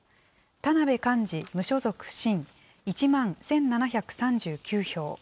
田辺寛治、無所属、新、１万１７３９票。